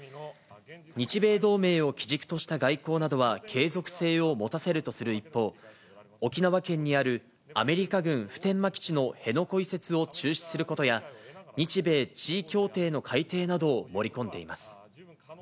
日米同盟を基軸とした外交などは継続性を持たせるとする一方、沖縄県にあるアメリカ軍普天間基地の辺野古移設を中止することや、日米地位協定の改定などを盛り込んでいます。